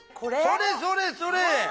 それそれそれ。